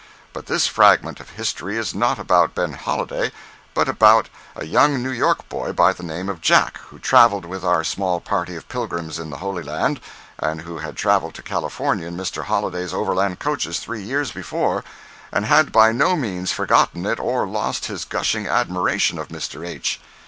But this fragment of history is not about Ben Holliday, but about a young New York boy by the name of Jack, who traveled with our small party of pilgrims in the Holy Land (and who had traveled to California in Mr. Holliday's overland coaches three years before, and had by no means forgotten it or lost his gushing admiration of Mr. H.)